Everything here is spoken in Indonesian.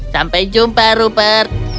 sampai jumpa rupert